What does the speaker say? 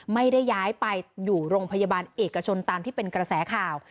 ไม่ได้ย้ายไปอยู่โรงพยาบาลเอกชนตามที่เป็นกระแสข่าว